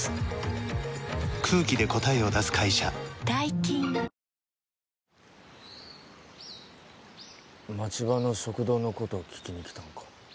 俊子街場の食堂のこと聞きにきたんか？